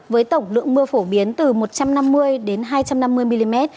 với tổng lượng mưa phổ biến từ một trăm năm mươi đến hai trăm năm mươi mm